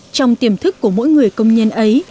trong tiềm thức của mỗi người công nhân ấy